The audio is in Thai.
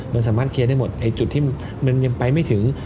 มันสามารถเคลียร์ได้หมดไอ้จุดที่มันยังไปไม่ถึง